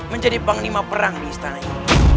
menjadi panglima perang di istana ini